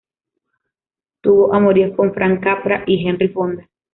Tuvo amoríos con Frank Capra y Henry Fonda.